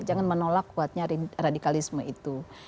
jangan menolak kuatnya radikalisme itu